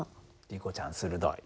リコちゃん鋭い。